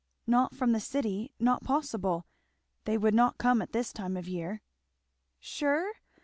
"Not from the city not possible; they would not come at this time of year." "Sure?